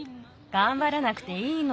がんばらなくていいの。